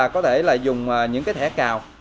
có thể là dùng những thẻ cào